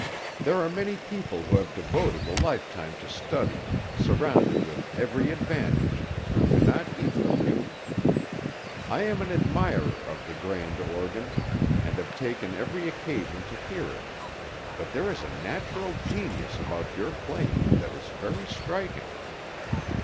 There are many people who have devoted a lifetime to study, surrounded with every advantage, who cannot equal you. I am an admirer of the grand organ, and have taken every occasion to hear it; but there is a natural genius about your playing that is very striking."